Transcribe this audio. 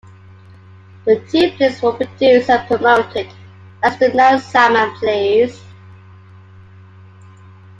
The two plays were produced and promoted as "The Neil Simon Plays".